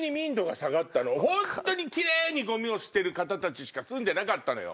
ホントにキレイにゴミを捨てる方たちしか住んでなかったのよ。